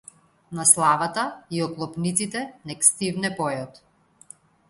На славата, и оклопниците, нек стивне појот.